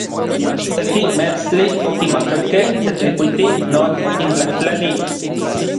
Seki meetstli okimakakej Tetlikuiti non okintlajtlani.